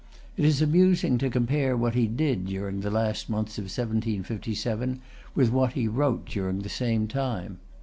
It is amusing to compare what he did during the last months of 1757 with what he wrote during the same time.